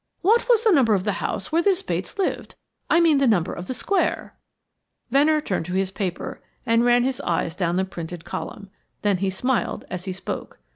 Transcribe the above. What was the number of the house where this Bates lived? I mean the number of the square." Venner turned to his paper, and ran his eye down the printed column. Then he smiled as he spoke.